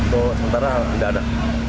sementara tidak ada